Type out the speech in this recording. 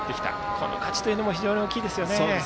この価値も非常に大きいですよね。